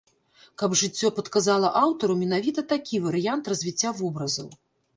Каб жыццё падказала аўтару менавіта такі варыянт развіцця вобразаў.